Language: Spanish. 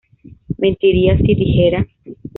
mentiría si dijera